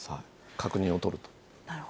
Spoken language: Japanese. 確認を取ると。